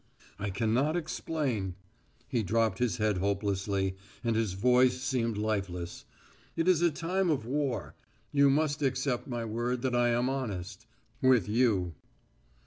"I can not explain." He dropped his head hopelessly, and his voice seemed lifeless. "It is a time of war. You must accept my word that I am honest with you."